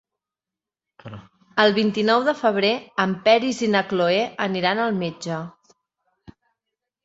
El vint-i-nou de febrer en Peris i na Cloè aniran al metge.